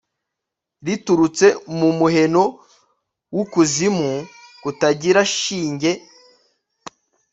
riturutse mu muheno w'ukuzimu kutagira shinge